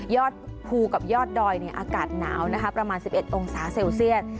ภูกับยอดดอยอากาศหนาวนะคะประมาณ๑๑องศาเซลเซียส